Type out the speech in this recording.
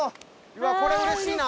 うわっこれうれしいな。